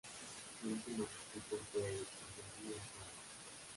Su último equipo fue el Slavia Praga.